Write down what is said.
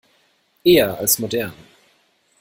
Eher als modern.